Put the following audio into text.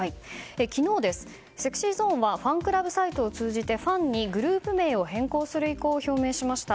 昨日、ＳｅｘｙＺｏｎｅはファンクラブサイトを通じてファンにグループ名を変更する意向を表明しました。